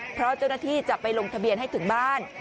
เพราะเจ้าหน้าที่จะไปลงทะเบียนให้ถึงบ้าน